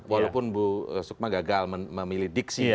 walaupun bu sukma gagal memilih diksi ya